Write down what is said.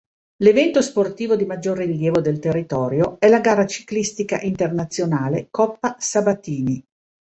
L'evento sportivo di maggior rilievo del territorio è la gara ciclistica Internazionale Coppa Sabatini.